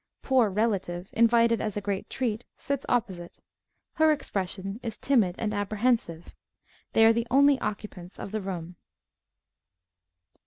_ Poor Relative, _invited as a "great treat," sits opposite. Her expression is timid and apprehensive. They are the only occupants of the room.